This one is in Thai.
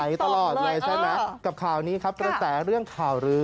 ตลอดเลยใช่ไหมกับข่าวนี้ครับกระแสเรื่องข่าวลื้อ